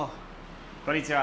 こんにちは。